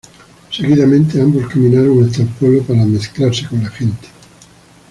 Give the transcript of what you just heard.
Seguidamente ambos caminaron hasta el pueblo para mezclarse con la gente.